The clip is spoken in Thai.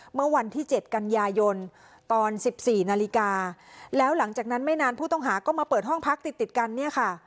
เมื่อวันที่๗กันยายนตอนสิบสี่นาฬิกาแล้วหลังจากนั้นไม่นานผู้ต้องหาก็มาเปิดห้องพักติดติดกันเนี่ยค่ะ